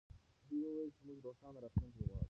دوی وویل چې موږ روښانه راتلونکې غواړو.